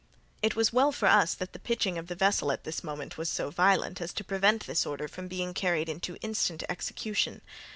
It was well for us that the pitching of the vessel at this moment was so violent as to prevent this order from being carried into instant execution.